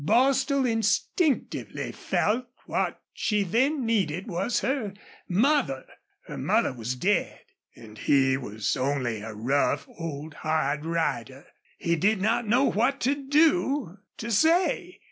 Bostil instinctively felt what she then needed was her mother. Her mother was dead, and he was only a rough, old, hard rider. He did not know what to do to say.